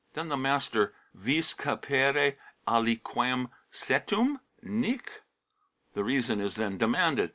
Then the master :" Vis capere aliquem cetum ?"" Nic." The reason is then demanded.